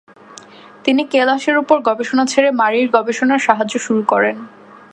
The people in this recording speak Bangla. তিনি কেলাসের উপর গবেষণা ছেড়ে মারির গবেষণায় সাহায্য শুরু করেন।